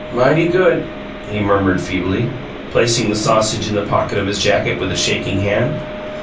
"Mighty good," he murmured feebly, placing the sausage in the pocket of his jacket with a shaking hand.